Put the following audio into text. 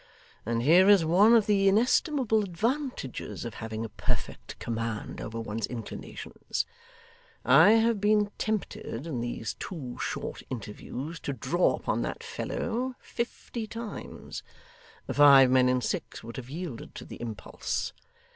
And here is one of the inestimable advantages of having a perfect command over one's inclinations. I have been tempted in these two short interviews, to draw upon that fellow, fifty times. Five men in six would have yielded to the impulse.